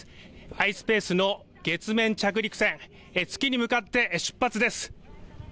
ｉｓｐａｃｅの月面着陸船月に向かって出発です。